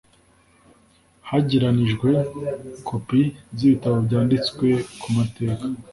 hegeranijwe kopi z'ibitabo byanditswe ku mateka